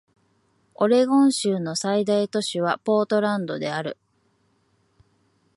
オレゴン州の最大都市はポートランドである